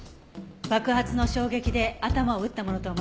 爆発の衝撃で頭を打ったものと思われます。